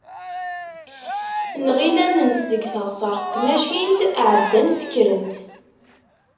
Nɣill ad nens deg teɣsert n tmacint, ɛeddan sekkṛen-tt.